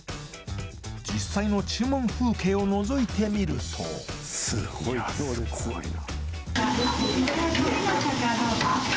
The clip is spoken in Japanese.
実際の注文風景を覗いてみるといやすごいな。